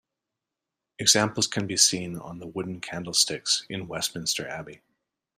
Examples can be seen on the wooden candlesticks in Westminster Abbey.